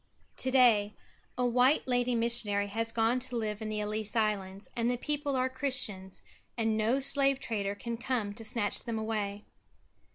To day a white lady missionary has gone to live in the Ellice Islands, and the people are Christians, and no slave trader can come to snatch them away.